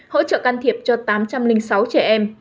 hỗ trợ can thiệp cho tám trăm linh sáu trẻ em